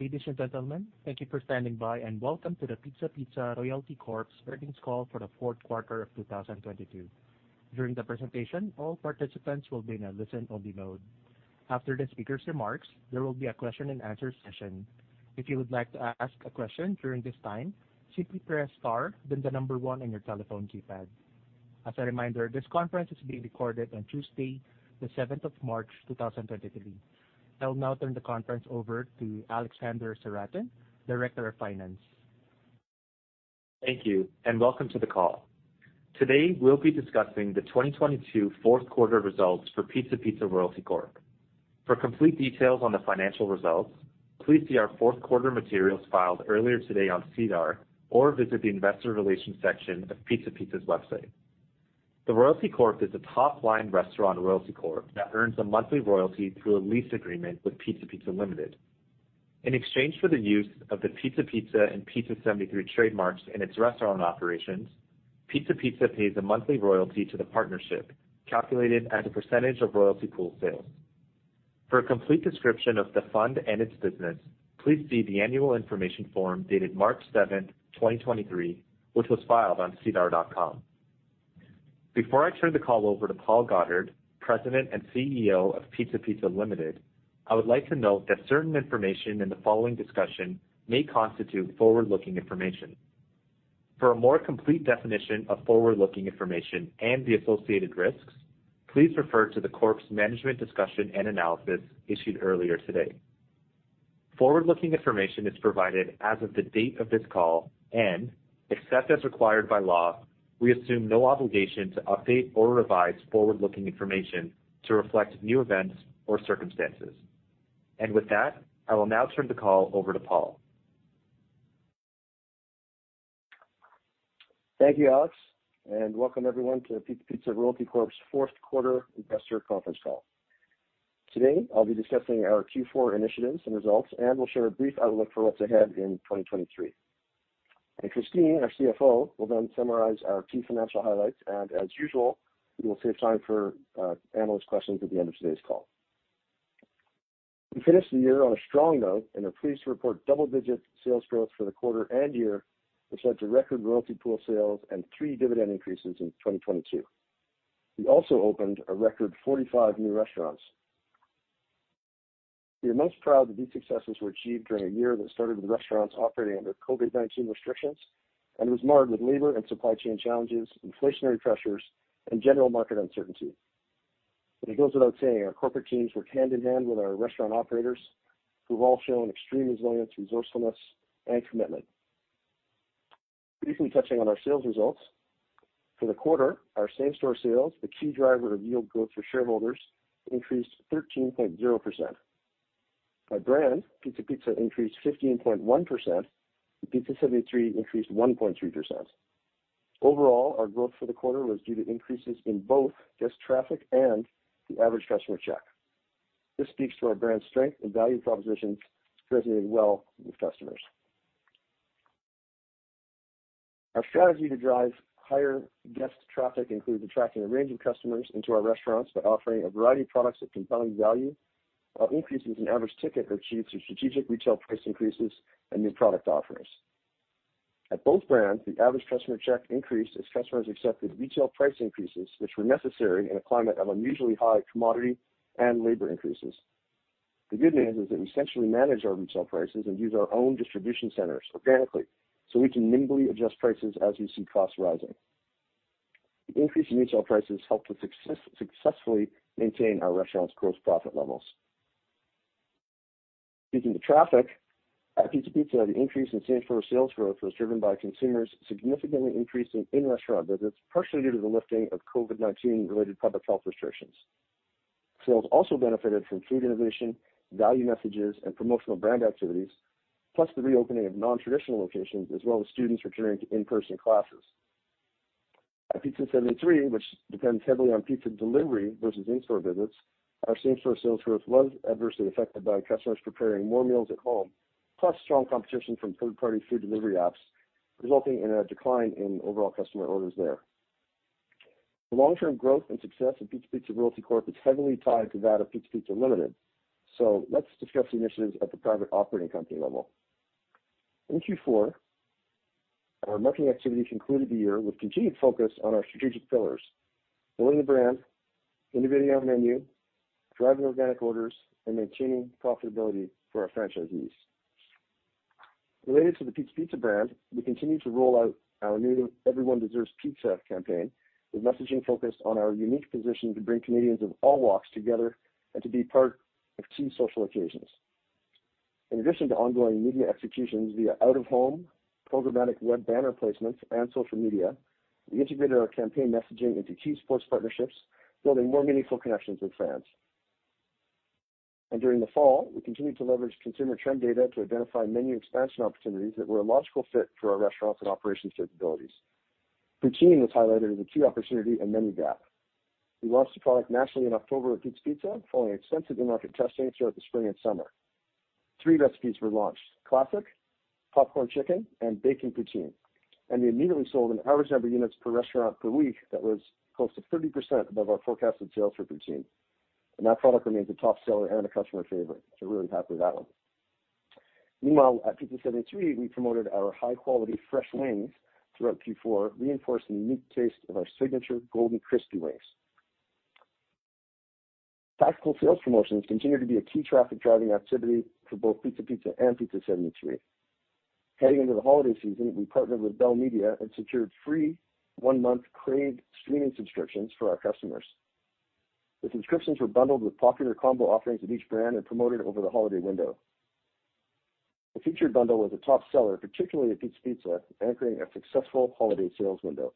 Ladies and gentlemen, thank you for standing by, and welcome to the Pizza Pizza Royalty Corp.'s Earnings Call for The Fourth Quarter of 2022. During the presentation, all participants will be in a listen-only mode. After the speaker's remarks, there will be a question-and-answer session. If you would like to ask a question during this time, simply press Star then the number one on your telephone keypad. As a reminder, this conference is being recorded on Tuesday, the seventh of March, 2023. I'll now turn the conference over to AlexanderSewrattan, Director of Finance. Thank you, and welcome to the call. Today, we'll be discussing the 2022 Fourth Quarter Results for Pizza Pizza Royalty Corp. For complete details on the financial results, please see our fourth quarter materials filed earlier today on SEDAR or visit the investor relations section of Pizza Pizza's website. The Royalty Corp is a top-line restaurant royalty corp that earns a monthly royalty through a lease agreement with Pizza Pizza Limited. In exchange for the use of the Pizza Pizza and Pizza 73 trademarks in its restaurant operations, Pizza Pizza pays a monthly royalty to the partnership, calculated as a percentage of royalty pool sales. For a complete description of the fund and its business, please see the annual information form dated March 7, 2023, which was filed on SEDAR.com. Before I turn the call over to Paul Goddard, President and CEO of Pizza Pizza Limited, I would like to note that certain information in the following discussion may constitute forward-looking information. For a more complete definition of forward-looking information and the associated risks, please refer to the Corp's management discussion and analysis issued earlier today. Forward-looking information is provided as of the date of this call, except as required by law, we assume no obligation to update or revise forward-looking information to reflect new events or circumstances. With that, I will now turn the call over to Paul. Thank you, Alex. Welcome everyone to Pizza Pizza Royalty Corp.'s fourth quarter investor conference call. Today, I'll be discussing our Q4 initiatives and results. We'll share a brief outlook for what's ahead in 2023. Christine, our CFO, will then summarize our key financial highlights. As usual, we will save time for analyst questions at the end of today's call. We finished the year on a strong note and are pleased to report double-digit sales growth for the quarter and year, which led to record royalty pool sales and three dividend increases in 2022. We also opened a record 45 new restaurants. We are most proud that these successes were achieved during a year that started with restaurants operating under COVID-19 restrictions and was marred with labor and supply chain challenges, inflationary pressures, and general market uncertainty. It goes without saying, our corporate teams worked hand in hand with our restaurant operators, who've all shown extreme resilience, resourcefulness, and commitment. Briefly touching on our sales results, for the quarter, our same-store sales, the key driver of yield growth for shareholders, increased 13.0%. Our brand, Pizza Pizza, increased 15.1%, and Pizza 73 increased 1.3%. Overall, our growth for the quarter was due to increases in both guest traffic and the average customer check. This speaks to our brand strength and value propositions resonating well with customers. Our strategy to drive higher guest traffic includes attracting a range of customers into our restaurants by offering a variety of products that can find value, while increases in average ticket are achieved through strategic retail price increases and new product offerings. At both brands, the average customer check increased as customers accepted retail price increases, which were necessary in a climate of unusually high commodity and labor increases. The good news is that we essentially manage our retail prices and use our own distribution centers organically, we can nimbly adjust prices as we see costs rising. The increase in retail prices helped us successfully maintain our restaurant's gross profit levels. Speaking to traffic, at Pizza Pizza, the increase in same-store sales growth was driven by consumers significantly increasing in-restaurant visits, partially due to the lifting of COVID-19 related public health restrictions. Sales also benefited from food innovation, value messages, and promotional brand activities, plus the reopening of non-traditional locations, as well as students returning to in-person classes. At Pizza 73, which depends heavily on pizza delivery versus in-store visits, our same-store sales growth was adversely affected by customers preparing more meals at home, plus strong competition from third-party food delivery apps, resulting in a decline in overall customer orders there. The long-term growth and success of Pizza Pizza Royalty Corp. is heavily tied to that of Pizza Pizza Limited. Let's discuss initiatives at the private operating company level. In Q4, our marketing activities concluded the year with continued focus on our strategic pillars, building the brand, innovating our menu, driving organic orders, and maintaining profitability for our franchisees. Related to the Pizza Pizza brand, we continued to roll out our new Everyone Deserves Pizza campaign, with messaging focused on our unique position to bring Canadians of all walks together and to be part of key social occasions. In addition to ongoing media executions via out-of-home, programmatic web banner placements, and social media, we integrated our campaign messaging into key sports partnerships, building more meaningful connections with fans. During the fall, we continued to leverage consumer trend data to identify menu expansion opportunities that were a logical fit for our restaurants and operations capabilities. Poutine was highlighted as a key opportunity and menu gap. We launched the product nationally in October at Pizza Pizza following extensive in-market testing throughout the spring and summer. Three recipes were launched, classic, popcorn chicken, and bacon poutine. We immediately sold an average number of units per restaurant per week that was close to 30% above our forecasted sales for poutine. That product remains a top seller and a customer favorite. Really happy with that one. Meanwhile, at Pizza 73, we promoted our high-quality fresh wings throughout Q4, reinforcing the unique taste of our signature golden crispy wings. Tactical sales promotions continue to be a key traffic-driving activity for both Pizza Pizza and Pizza 73. Heading into the holiday season, we partnered with Bell Media and secured free one month Crave streaming subscriptions for our customers. The subscriptions were bundled with popular combo offerings at each brand and promoted over the holiday window. The featured bundle was a top seller, particularly at Pizza Pizza, anchoring a successful holiday sales window.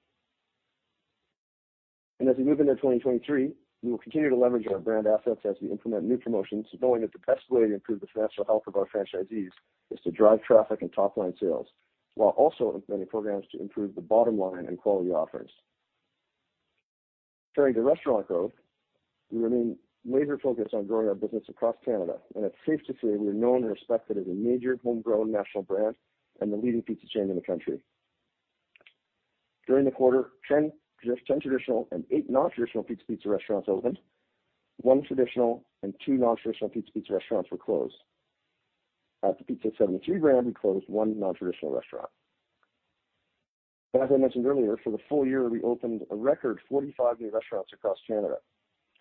As we move into 2023, we will continue to leverage our brand assets as we implement new promotions, knowing that the best way to improve the financial health of our franchisees is to drive traffic and top-line sales, while also implementing programs to improve the bottom line and quality offerings. Turning to restaurant growth, we remain major focused on growing our business across Canada. It's safe to say we are known and respected as a major home-grown national brand and the leading pizza chain in the country. During the quarter, 10, just 10 traditional and eight non-traditional Pizza Pizza restaurants opened. One traditional and two non-traditional Pizza Pizza restaurants were closed. At the Pizza 73 brand, we closed one non-traditional restaurant. As I mentioned earlier, for the full year, we opened a record 45 new restaurants across Canada.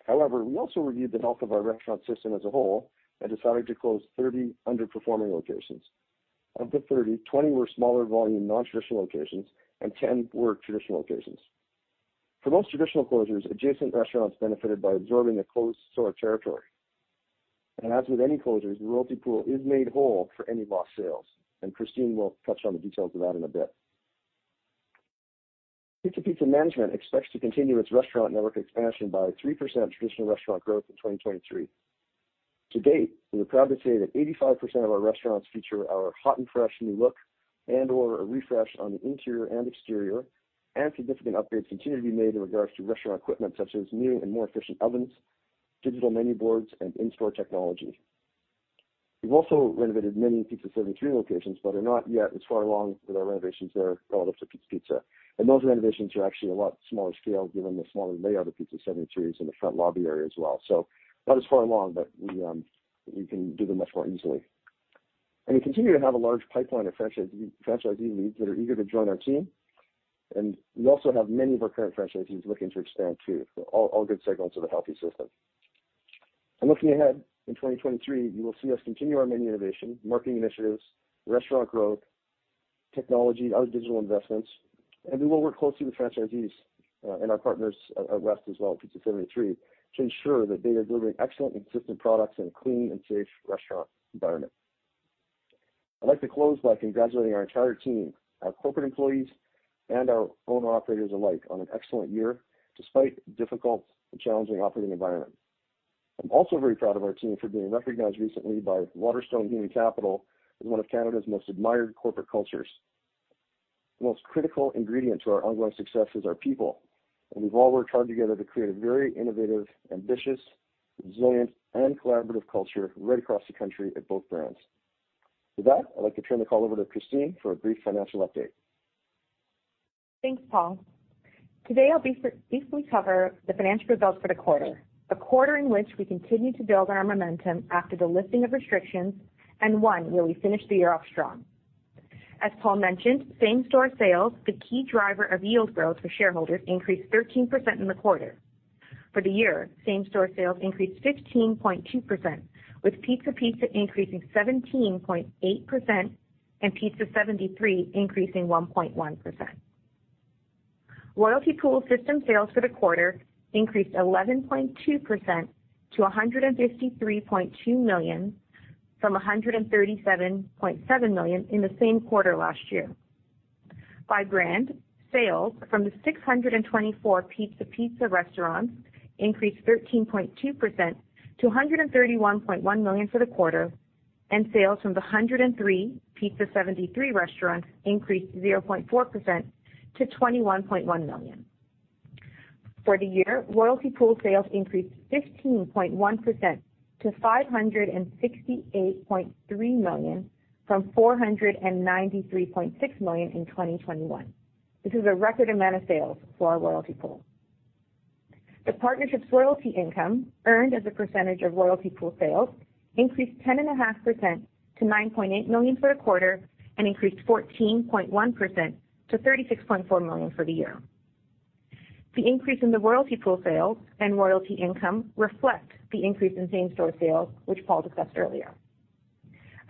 We also reviewed the health of our restaurant system as a whole and decided to close 30 underperforming locations. Of the 30, 20 were smaller volume non-traditional locations, and 10 were traditional locations. For most traditional closures, adjacent restaurants benefited by absorbing the closed store territory. As with any closures, the royalty pool is make-whole for any lost sales, and Christine will touch on the details of that in a bit. Pizza Pizza management expects to continue its restaurant network expansion by 3% traditional restaurant growth in 2023. To date, we are proud to say that 85% of our restaurants feature our hot and fresh new look and/or a refresh on the interior and exterior, and significant upgrades continue to be made in regards to restaurant equipment such as new and more efficient ovens, digital menu boards, and in-store technology. We've also renovated many Pizza 73 locations, but are not yet as far along with our renovations there relative to Pizza Pizza. Those renovations are actually a lot smaller scale given the smaller layout of Pizza 73's in the front lobby area as well. Not as far along, but we can do them much more easily. We continue to have a large pipeline of franchisee leads that are eager to join our team. We also have many of our current franchisees looking to expand too. All good signals of a healthy system. Looking ahead, in 2023, you will see us continue our menu innovation, marketing initiatives, restaurant growth, technology, other digital investments, and we will work closely with franchisees and our partners at West as well, Pizza 73, to ensure that they are delivering excellent and consistent products in a clean and safe restaurant environment. I'd like to close by congratulating our entire team, our corporate employees and our owner operators alike, on an excellent year, despite difficult and challenging operating environment. I'm also very proud of our team for being recognized recently by Waterstone Human Capital as one of Canada's most admired corporate cultures. The most critical ingredient to our ongoing success is our people, and we've all worked hard together to create a very innovative, ambitious, resilient, and collaborative culture right across the country at both brands. With that, I'd like to turn the call over to Christine for a brief financial update. Thanks, Paul. Today, I'll briefly cover the financial results for the quarter, a quarter in which we continued to build our momentum after the lifting of restrictions and one where we finished the year off strong. As Paul mentioned, same-store sales, the key driver of yield growth for shareholders, increased 13% in the quarter. For the year, same-store sales increased 15.2%, with Pizza Pizza increasing 17.8% and Pizza 73 increasing 1.1%. Royalty pool system sales for the quarter increased 11.2% to 153.2 million from 137.7 million in the same quarter last year. By brand, sales from the 624 Pizza Pizza restaurants increased 13.2% to 131.1 million for the quarter, and sales from the 103 Pizza 73 restaurants increased 0.4% to 21.1 million. For the year, royalty pool sales increased 15.1% to 568.3 million from 493.6 million in 2021. This is a record amount of sales for our royalty pool. The partnership's royalty income, earned as a percentage of royalty pool sales, increased ten and a half percent to 9.8 million for the quarter and increased 14.1% to 36.4 million for the year. The increase in the royalty pool sales and royalty income reflect the increase in same-store sales, which Paul discussed earlier.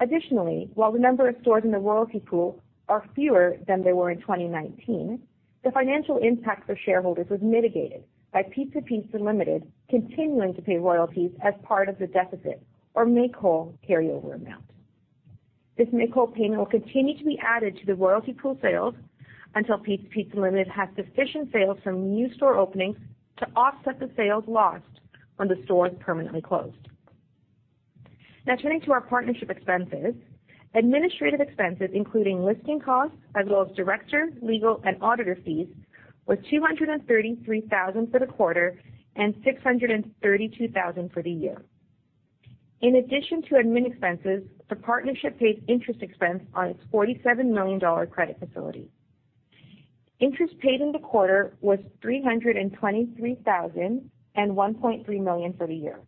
Additionally, while the number of stores in the royalty pool are fewer than they were in 2019, the financial impact for shareholders was mitigated by Pizza Pizza Limited continuing to pay royalties as part of the deficit or make-whole carryover amount. This make-whole payment will continue to be added to the royalty pool sales until Pizza Pizza Limited has sufficient sales from new store openings to offset the sales lost when the store is permanently closed. Turning to our partnership expenses. Administrative expenses, including listing costs as well as director, legal, and auditor feesWas 233,000 for the quarter and 632,000 for the year. In addition to admin expenses, the partnership pays interest expense on its 47 million dollar credit facility. Interest paid in the quarter was 323,000 and 1.3 million for the year.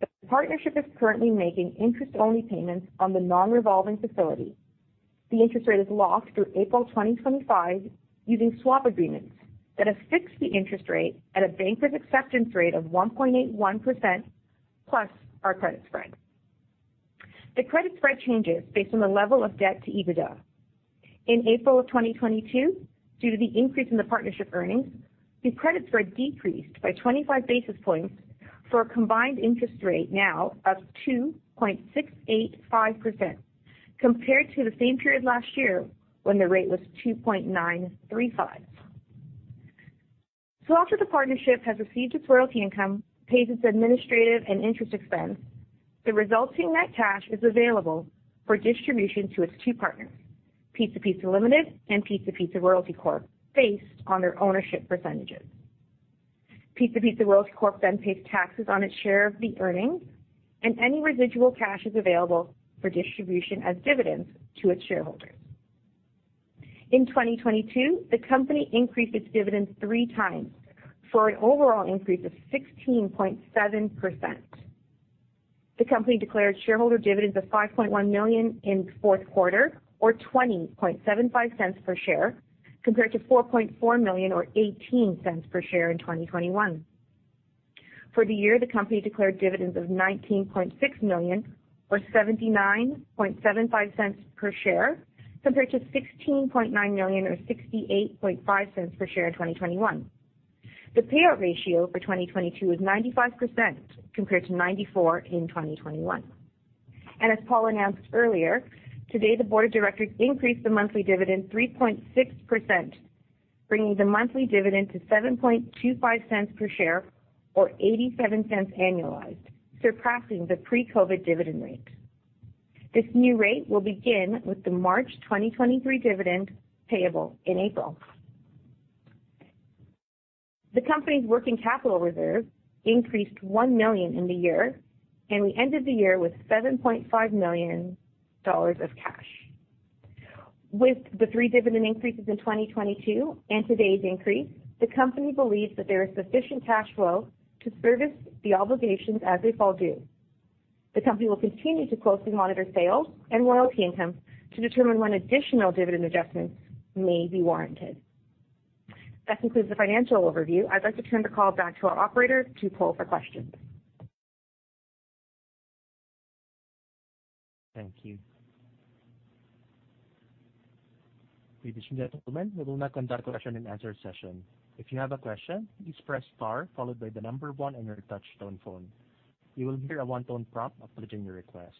The partnership is currently making interest-only payments on the non-revolving facility. The interest rate is locked through April 2025 using swap agreements that have fixed the interest rate at a banker's acceptance rate of 1.81% plus our credit spread. The credit spread changes based on the level of debt to EBITDA. In April of 2022, due to the increase in the partnership earnings, the credit spread decreased by 25 basis points for a combined interest rate now of 2.685% compared to the same period last year when the rate was 2.935%. After the partnership has received its royalty income, pays its administrative and interest expense, the resulting net cash is available for distribution to its two partners, Pizza Pizza Limited and Pizza Pizza Royalty Corp, based on their ownership percentages. Pizza Pizza Royalty Corp then pays taxes on its share of the earnings, and any residual cash is available for distribution as dividends to its shareholders. In 2022, the company increased its dividends three times for an overall increase of 16.7%. The company declared shareholder dividends of 5.1 million in fourth quarter or 0.2075 per share, compared to 4.4 million or 0.18 per share in 2021. For the year, the company declared dividends of 19.6 million or 0.7975 per share, compared to 16.9 million or 0.685 per share in 2021. The payout ratio for 2022 is 95%, compared to 94% in 2021. As Paul announced earlier, today, the board of directors increased the monthly dividend 3.6%, bringing the monthly dividend to 0.0725 per share or 0.87 annualized, surpassing the pre-COVID dividend rate. This new rate will begin with the March 2023 dividend payable in April. The company's working capital reserve increased 1 million in the year, and we ended the year with 7.5 million dollars of cash. With the three dividend increases in 2022 and today's increase, the company believes that there is sufficient cash flow to service the obligations as they fall due. The company will continue to closely monitor sales and royalty income to determine when additional dividend adjustments may be warranted. That concludes the financial overview. I'd like to turn the call back to our operator to poll for questions. Thank you. Ladies and gentlemen, we will now conduct the question-and-answer session. If you have a question, please press star followed by one on your touchtone phone. You will hear a one-tone prompt acknowledging your request.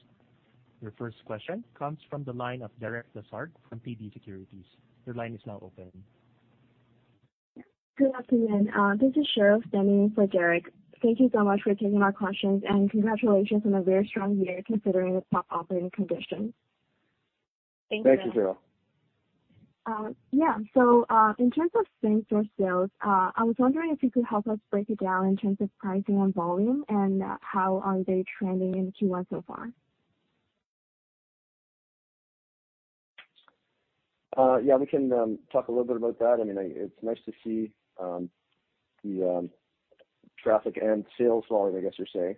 Your first question comes from the line of Derek Lasard from TD Securities. Your line is now open. Good afternoon. This is Cheryl standing in for Derek. Thank you so much for taking my questions, congratulations on a very strong year, considering the tough operating conditions. Thank you. Thank you, Cheryl. Yeah. In terms of same-store sales, I was wondering if you could help us break it down in terms of pricing and volume and how are they trending in first quarter so far? Yeah, we can talk a little bit about that. I mean, it's nice to see the traffic and sales volume, I guess you're saying,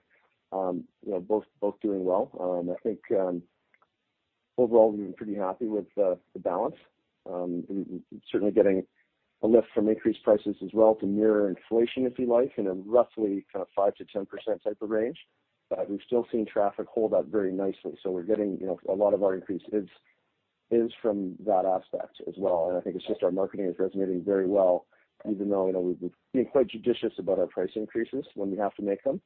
you know, both doing well. I think overall, we've been pretty happy with the balance. We're certainly getting a lift from increased prices as well to mirror inflation, if you like, in a roughly kind of 5%-10% type of range. We've still seen traffic hold up very nicely, so we're getting, you know, a lot of our increase is from that aspect as well. I think it's just our marketing is resonating very well, even though, you know, we've been quite judicious about our price increases when we have to make them,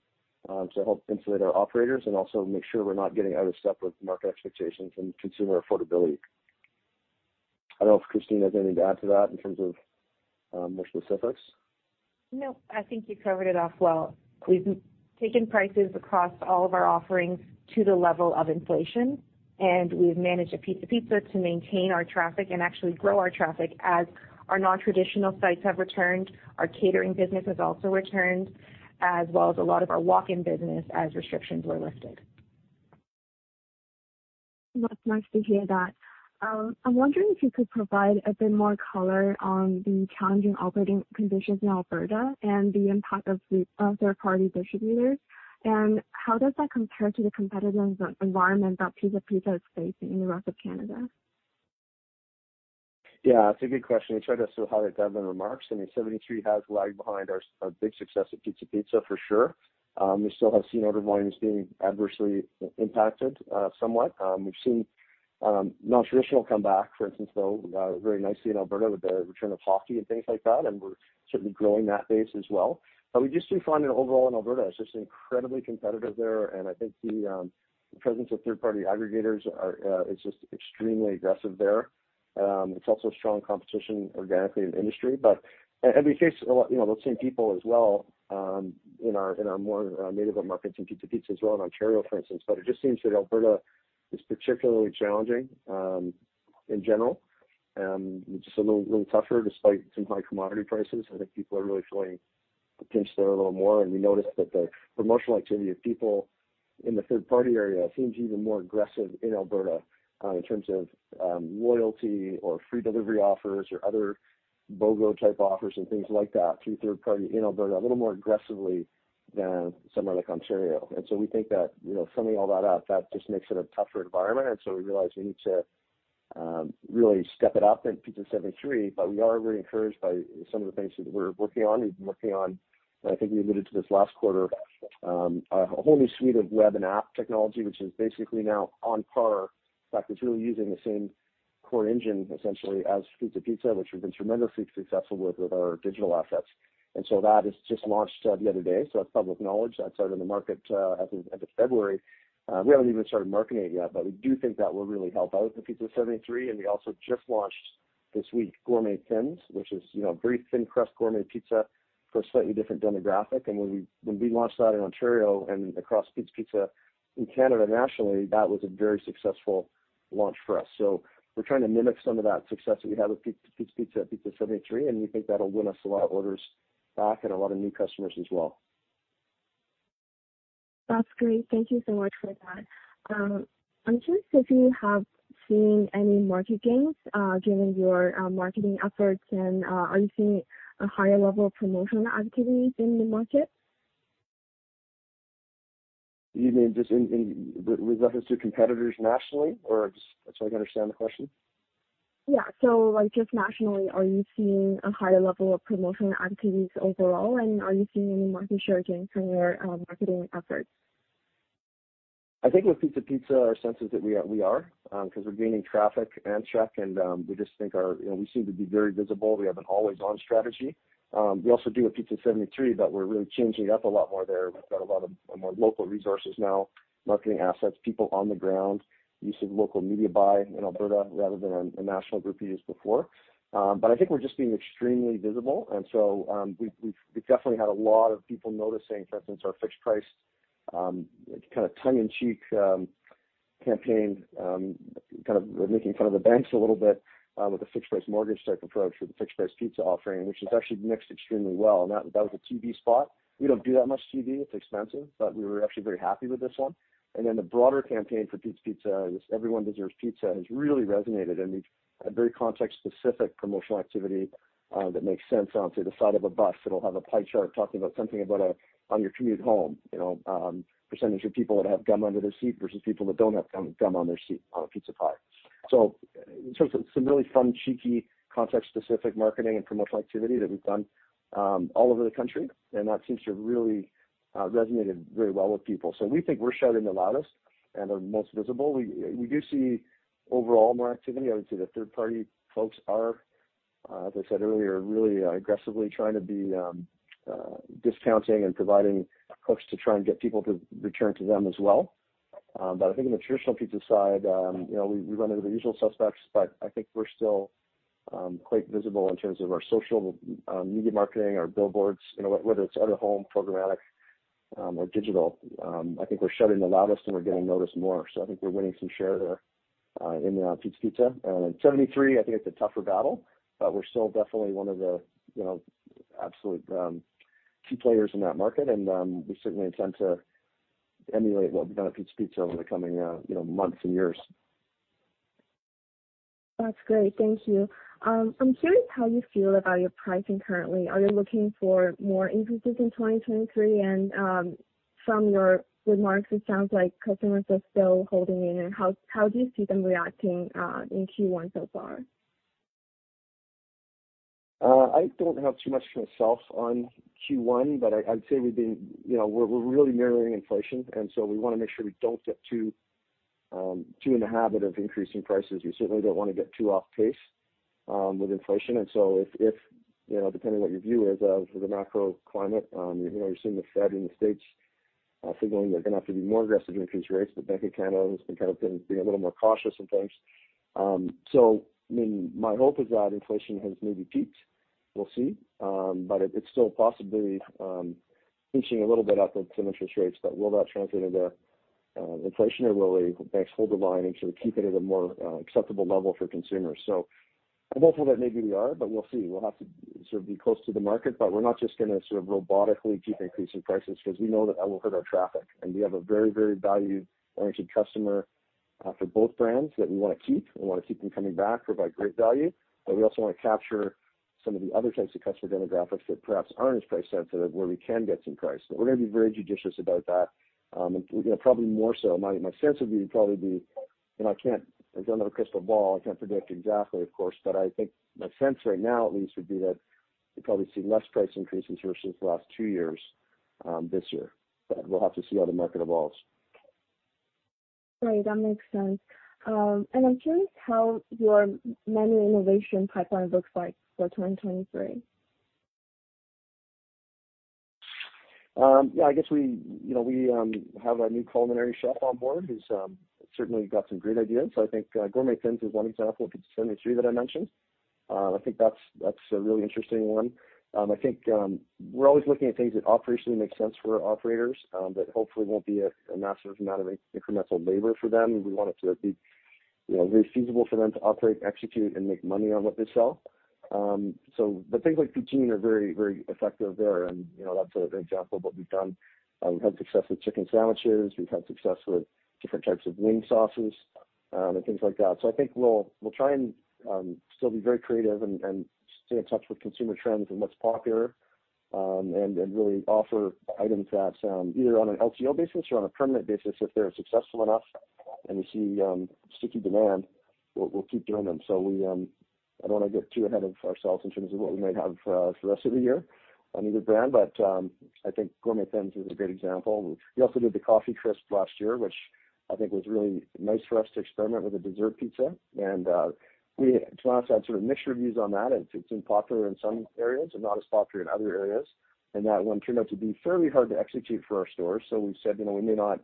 to help insulate our operators and also make sure we're not getting out of step with market expectations and consumer affordability. I don't know if Christine has anything to add to that in terms of more specifics. No, I think you covered it off well. We've taken prices across all of our offerings to the level of inflation. We've managed at Pizza Pizza to maintain our traffic and actually grow our traffic as our non-traditional sites have returned. Our catering business has also returned, as well as a lot of our walk-in business as restrictions were lifted. That's nice to hear that. I'm wondering if you could provide a bit more color on the challenging operating conditions in Alberta and the impact of third-party distributors, and how does that compare to the competitive environment that Pizza Pizza is facing in the rest of Canada? Yeah, it's a good question. I tried to sort of highlight that in the remarks. I mean, 73 has lagged behind our big success at Pizza Pizza for sure. We still have seen order volumes being adversely impacted somewhat. We've seen non-traditional come back, for instance, though, very nicely in Alberta with the return of hockey and things like that, and we're certainly growing that base as well. We just do find that overall in Alberta, it's just incredibly competitive there, and I think the presence of third-party aggregators is just extremely aggressive there. It's also strong competition organically in the industry. We face a lot, you know, those same people as well, in our more native markets in Pizza Pizza as well in Ontario, for instance. It just seems that Alberta is particularly challenging in general, and just a little tougher despite some high commodity prices. I think people are really feeling the pinch there a little more. We noticed that the promotional activity of people in the third party area seems even more aggressive in Alberta, in terms of loyalty or free delivery offers or other BOGO type offers and things like that through third party in Alberta, a little more aggressively than somewhere like Ontario. We think that, you know, summing all that up, that just makes it a tougher environment. We realize we need to really step it up in Pizza 73. We are very encouraged by some of the things that we're working on. We've been working on, and I think we alluded to this last quarter, a whole new suite of web and app technology, which is basically now on par. In fact, it's really using the same core engine essentially as Pizza Pizza, which we've been tremendously successful with our digital assets. So that has just launched the other day, so that's public knowledge. That's out in the market as of February. We haven't even started marketing it yet, but we do think that will really help out the Pizza 73. We also just launched this week Gourmet Thins, which is, you know, very thin crust gourmet pizza for a slightly different demographic. When we, when we launched that in Ontario and across Pizza Pizza in Canada nationally, that was a very successful launch for us. We're trying to mimic some of that success that we had with Pizza Pizza at Pizza 73, and we think that'll win us a lot of orders back and a lot of new customers as well. That's great. Thank you so much for that. I'm curious if you have seen any market gains, given your marketing efforts and, are you seeing a higher level of promotional activities in the market? You mean just in with reference to competitors nationally or so I can understand the question? Yeah. Like just nationally, are you seeing a higher level of promotional activities overall and are you seeing any market share gains from your marketing efforts? I think with Pizza Pizza our sense is that we are, because we're gaining traffic and check and, we just think our, you know, we seem to be very visible. We have an always on strategy. We also do at Pizza 73, but we're really changing it up a lot more there. We've got a lot of more local resources now, marketing assets, people on the ground, use of local media buy in Alberta rather than a national group we used before. I think we're just being extremely visible and so, we've definitely had a lot of people noticing, for instance, our fixed price, kind of tongue in cheek, campaign, kind of making fun of the banks a little bit, with a fixed price mortgage type approach with a fixed price pizza offering, which has actually mixed extremely well. That was a TV spot. We don't do that much TV. It's expensive, but we were actually very happy with this one. The broader campaign for Pizza Pizza is Everyone Deserves Pizza, has really resonated and we've had very context specific promotional activity, that makes sense on, say, the side of a bus. It'll have a pie chart talking about something about on your commute home, you know, % of people that have gum under their seat versus people that don't have gum under their seat on a pizza pie. In terms of some really fun, cheeky, context specific marketing and promotional activity that we've done all over the country, and that seems to have really resonated very well with people. We think we're shouting the loudest and are most visible. We do see overall more activity. I would say the third party folks are, as I said earlier, really aggressively trying to be discounting and providing hooks to try and get people to return to them as well. I think in the traditional pizza side, you know, we run into the usual suspects, but I think we're still quite visible in terms of our social media marketing, our billboards, you know, whether it's out of home programmatic, or digital. I think we're shouting the loudest and we're getting noticed more. I think we're winning some share there, in the Pizza Pizza. In 73, I think it's a tougher battle, but we're still definitely one of the, you know, absolute, key players in that market. We certainly intend to emulate what we've done at Pizza Pizza over the coming, you know, months and years. That's great. Thank you. I'm curious how you feel about your pricing currently. Are you looking for more increases in 2023? From your remarks, it sounds like customers are still holding in. How do you see them reacting in Q1 so far? I don't have too much myself on Q1, but I'd say we've been, you know, we're really mirroring inflation, we want to make sure we don't get too in the habit of increasing prices. We certainly don't want to get too off pace with inflation. If, you know, depending what your view is of the macro climate, you know, you're seeing the Fed in the States signaling they're going to have to be more aggressive and increase rates. The Bank of Canada has been kind of being a little more cautious sometimes. I mean, my hope is that inflation has maybe peaked. We'll see. But it's still possibly inching a little bit up with some interest rates, but will that translate into the inflation or will the banks hold the line and sort of keep it at a more acceptable level for consumers? I'm hopeful that maybe we are, but we'll see. We'll have to sort of be close to the market, but we're not just going to sort of robotically keep increasing prices because we know that that will hurt our traffic. We have a very, very value-oriented customer for both brands that we want to keep. We want to keep them coming back, provide great value, but we also want to capture some of the other types of customer demographics that perhaps aren't as price sensitive, where we can get some price. We're going to be very judicious about that. We're going to probably more so. My sense would be probably be, and I don't have a crystal ball, I can't predict exactly of course, but I think my sense right now at least would be that we'll probably see less price increases versus the last two years, this year. We'll have to see how the market evolves. Great. That makes sense. I'm curious how your menu innovation pipeline looks like for 2023. Yeah, I guess we, you know, we have a new culinary chef on board who's certainly got some great ideas. I think Gourmet Thins is one example at Pizza 73 that I mentioned. I think that's a really interesting one. I think we're always looking at things that operationally make sense for our operators that hopefully won't be a massive amount of in-incremental labor for them. We want it to be, you know, very feasible for them to operate, execute, and make money on what they sell. Things like Poutine are very effective there. You know, that's an example of what we've done. We've had success with chicken sandwiches. We've had success with different types of wing sauces and things like that. I think we'll try and still be very creative and stay in touch with consumer trends and what's popular, and really offer items that either on an LTO basis or on a permanent basis, if they're successful enough and we see sticky demand, we'll keep doing them. We I don't want to get too ahead of ourselves in terms of what we might have for the rest of the year on either brand, but I think Gourmet Thins is a great example. We also did the Coffee Crisp last year, which I think was really nice for us to experiment with a dessert pizza. We at times had sort of mixed reviews on that. It's been popular in some areas and not as popular in other areas. That one turned out to be fairly hard to execute for our stores. We said, you know, we may not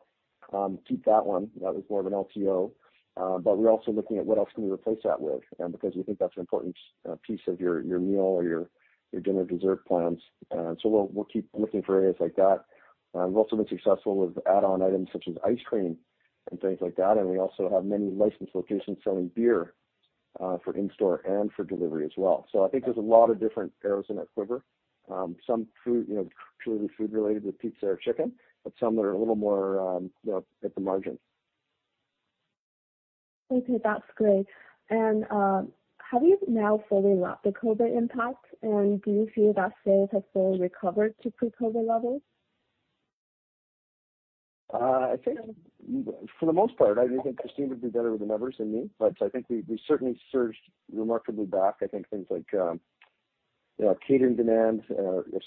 keep that one. That was more of an LTO. We're also looking at what else can we replace that with, because we think that's an important piece of your meal or your dinner dessert plans. We'll keep looking for areas like that. We've also been successful with add-on items such as ice cream and things like that. We also have many licensed locations selling beer, for in-store and for delivery as well. I think there's a lot of different arrows in our quiver. Some food, you know, truly food related with pizza or chicken, but some that are a little more, you know, at the margin. Okay, that's great. Have you now fully lapped the COVID impact, and do you feel that sales have fully recovered to pre-COVID levels? I think for the most part, I think Christine would be better with the numbers than me, but I think we certainly surged remarkably back. I think things like, you know, catering demands,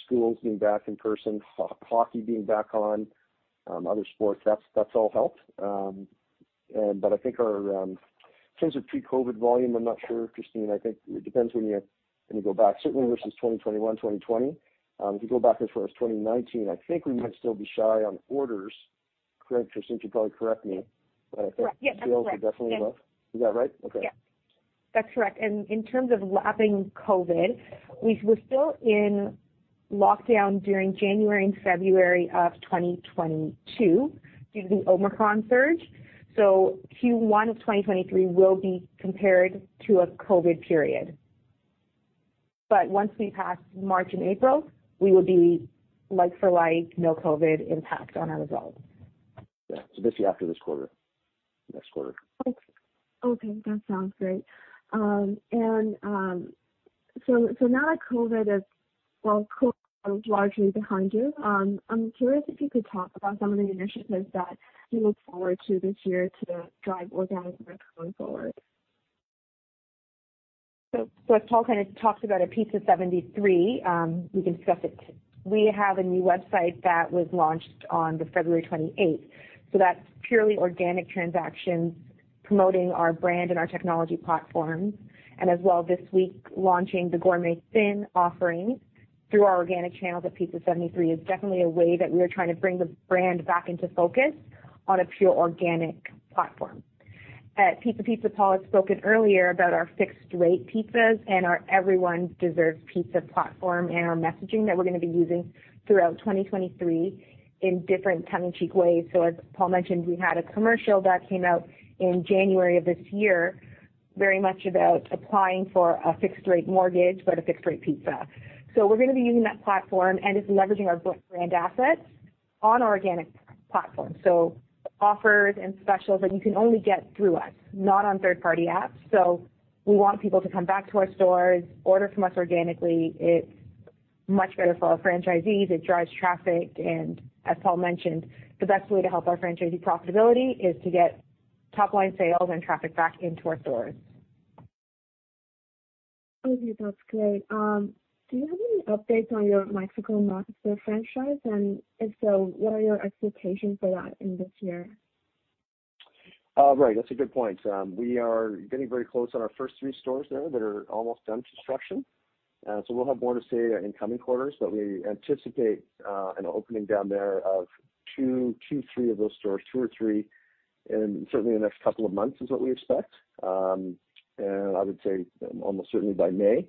schools being back in person, hockey being back on, other sports, that's all helped. I think our in terms of pre-COVID volume, I'm not sure, Christine. I think it depends when you go back, certainly versus 2021, 2020. If you go back as far as 2019, I think we might still be shy on orders. Christine could probably correct me. Correct. Yeah, that's correct. Sales are definitely up. Is that right? Okay. Yeah. That's correct. In terms of lapping COVID, we were still in lockdown during January and February of 2022 due to the Omicron surge. Q1 of 2023 will be compared to a COVID period. Once we pass March and April, we will be like for like, no COVID impact on our results. Yeah. Basically after this quarter, next quarter. Okay. That sounds great. Now that well, COVID is largely behind you, I'm curious if you could talk about some of the initiatives that you look forward to this year to drive organic growth going forward. As Paul kind of talked about at Pizza 73, we discussed it, we have a new website that was launched on the February 28th, that's purely organic transactions promoting our brand and our technology platform. As well this week, launching the Gourmet Thins offering through our organic channels at Pizza 73 is definitely a way that we are trying to bring the brand back into focus on a pure organic platform. At Pizza Pizza, Paul had spoken earlier about our fixed rate pizzas and our Everyone Deserves Pizza platform and our messaging that we're going to be using throughout 2023 in different tongue in cheek ways. As Paul mentioned, we had a commercial that came out in January of this year, very much about applying for a fixed rate mortgage, but a fixed rate pizza. We're going to be using that platform and it's leveraging our brand assets on our organic platform. Offers and specials that you can only get through us, not on third party apps. We want people to come back to our stores, order from us organically. It's much better for our franchisees. It drives traffic and as Paul mentioned, the best way to help our franchisee profitability is to get top line sales and traffic back into our stores. That's great. Do you have any updates on your Mexico master franchise and if so, what are your expectations for that in this year? Right. That's a good point. We are getting very close on our first three stores there that are almost done construction. We'll have more to say in coming quarters, but we anticipate an opening down there of two, three of those stores, two or three in certainly in the next couple of months is what we expect. I would say almost certainly by May.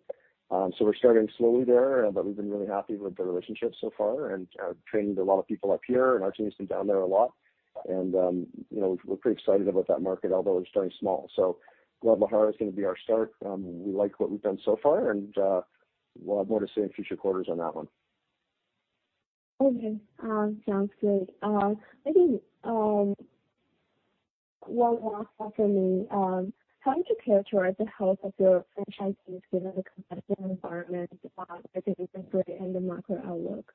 We're starting slowly there, but we've been really happy with the relationship so far and trained a lot of people up here, and our team has been down there a lot and, you know, we're pretty excited about that market, although we're starting small. Guadalajara is going to be our start. We like what we've done so far, and we'll have more to say in future quarters on that one. Okay. Sounds great. Maybe one last one for me. How would you characterize the health of your franchisees given the competitive environment, I think you've been through it and the macro outlook?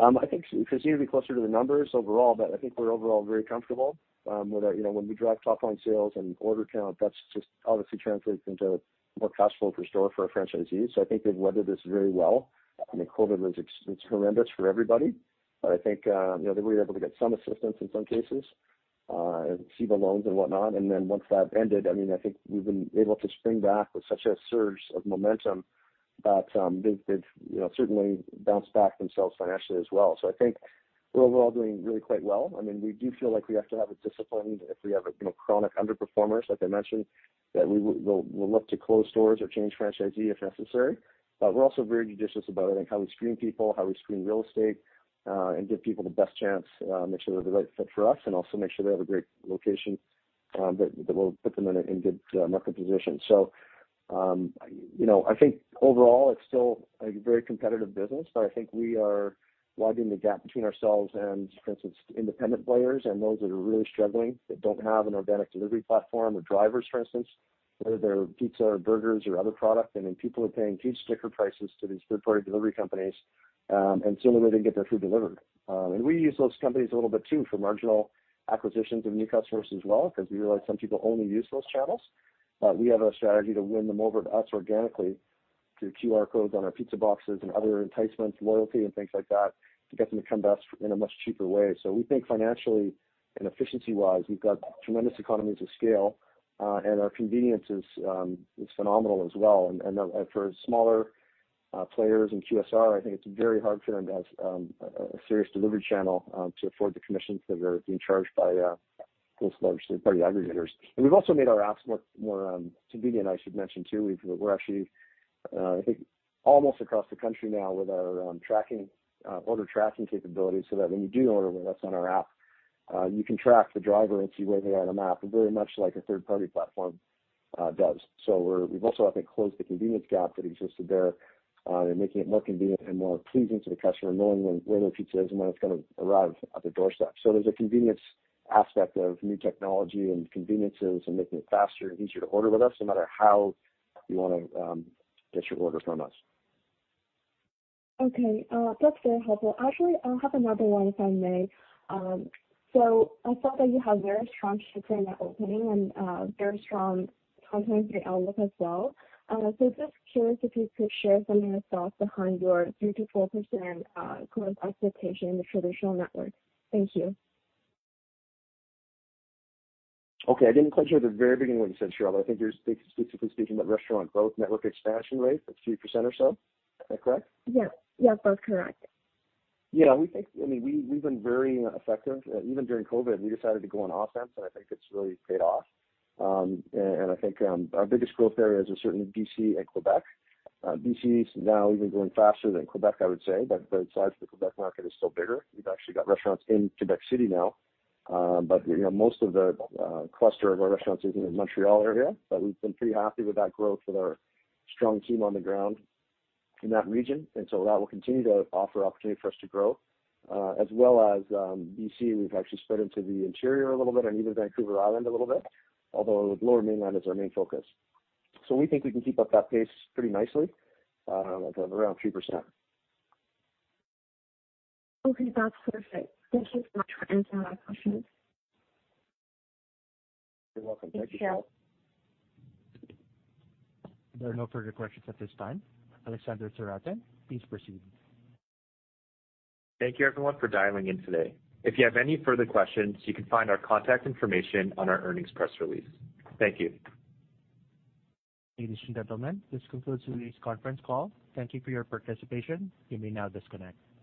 I think Christine would be closer to the numbers overall, but I think we're overall very comfortable, with our, you know, when we drive top line sales and order count, that's just obviously translates into more cash flow per store for our franchisees. I think they've weathered this very well. I mean, COVID was, it's horrendous for everybody, but I think, you know, they were able to get some assistance in some cases. CEBA loans and whatnot. Once that ended, I mean, I think we've been able to spring back with such a surge of momentum that, they've, you know, certainly bounced back themselves financially as well. I think overall doing really quite well. I mean, we do feel like we have to have a discipline if we have a, you know, chronic underperformers, like I mentioned, that we'll look to close stores or change franchisee if necessary. We're also very judicious about, I think, how we screen people, how we screen real estate, and give people the best chance, make sure they're the right fit for us, and also make sure they have a great location, that will put them in good market position. You know, I think overall it's still a very competitive business, but I think we are widening the gap between ourselves and, for instance, independent players and those that are really struggling, that don't have an organic delivery platform or drivers, for instance, whether they're pizza or burgers or other product. People are paying huge sticker prices to these third-party delivery companies, and it's the only way they can get their food delivered. We use those companies a little bit too for marginal acquisitions of new customers as well, because we realize some people only use those channels. We have a strategy to win them over to us organically through QR codes on our pizza boxes and other enticements, loyalty and things like that, to get them to come to us in a much cheaper way. We think financially and efficiency wise, we've got tremendous economies of scale, and our convenience is phenomenal as well. For smaller players in QSR, I think it's very hard for them to have a serious delivery channel to afford the commissions that they're being charged by those large third-party aggregators. We've also made our apps more convenient, I should mention, too. We're actually, I think almost across the country now with our order tracking capabilities, so that when you do order with us on our app, you can track the driver and see where they are on a map, very much like a third-party platform does. We've also, I think, closed the convenience gap that existed there, and making it more convenient and more pleasing to the customer, knowing where their pizza is and when it's going to arrive at their doorstep. There's a convenience aspect of new technology and conveniences and making it faster and easier to order with us no matter how you want to get your order from us. Okay. That's very helpful. Actually, I have another one if I may. I saw that you have very strong store opening and very strong contemporary outlook as well. Just curious if you could share some of your thoughts behind your 3%-4% growth expectation in the traditional network. Thank you. Okay. I didn't quite hear the very beginning what you said, Charlotte. I think you're specifically speaking about restaurant growth, network expansion rate of 3% or so. Is that correct? Yeah. Yeah, both correct. Yeah. We think, I mean, we've been very effective. Even during COVID-19, we decided to go on offense, and I think it's really paid off. I think our biggest growth areas are certainly BC and Quebec. BC is now even growing faster than Quebec, I would say, the size of the Quebec market is still bigger. We've actually got restaurants in Quebec City now, you know, most of the cluster of our restaurants is in the Montreal area. We've been pretty happy with that growth with our strong team on the ground in that region. That will continue to offer opportunity for us to grow. As well as BC, we've actually spread into the interior a little bit and even Vancouver Island a little bit, although the lower mainland is our main focus. We think we can keep up that pace pretty nicely, at around 3%. Okay. That's perfect. Thank you so much for answering my questions. You're welcome. Thank you. Thanks, Phil. There are no further questions at this time. Alexander Zarate, please proceed. Thank you everyone for dialing in today. If you have any further questions, you can find our contact information on our earnings press release. Thank you. Ladies and gentlemen, this concludes today's conference call. Thank you for your participation. You may now disconnect.